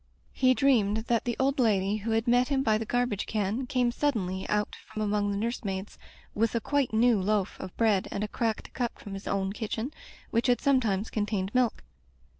He dreamed that the old lady who had met him by the garbage can came* suddenly out from among the nurse maids, with a quite new loaf of bread and a cracked cup from his own kitchen, which had sometimes contained milk.